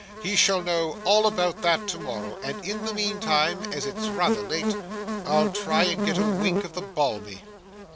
He shall know all about that to morrow, and in the meantime, as it's rather late, I'll try and get a wink of the balmy.